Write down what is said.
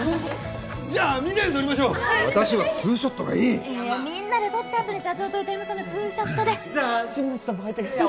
じゃあみんなで撮りましょう私はツーショットがいいみんなで撮ったあとに社長と糸山さんでツーショットで新町さんも入ってください